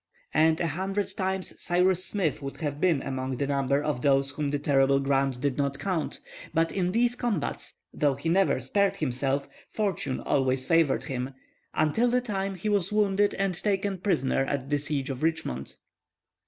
And a hundred times Cyrus Smith would have been among the number of those whom the terrible Grant did not count; but in these combats, though he never spared himself, fortune always favored him, until the time he was wounded and taken prisoner at the siege of Richmond.